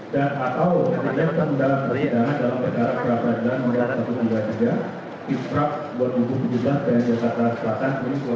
dan atau kegiatan dalam perjalanan dalam negara berapa jalan menuju ke penjara